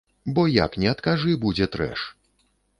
Бо як ні адкажы, будзе трэш.